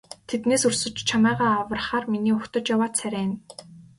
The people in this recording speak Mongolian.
Тэднээс өрсөж чамайгаа аврахаар миний угтаж яваа царай энэ.